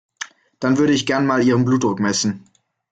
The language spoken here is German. Dann würde ich gerne mal Ihren Blutdruck messen.